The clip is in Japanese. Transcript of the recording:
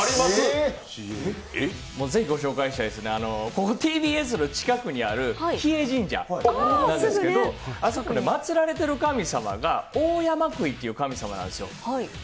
是非御紹介したいですねＴＢＳの近くにある日枝神社なんですけどあそこに祭られている神様がオオヤマクイという神様なんですよ。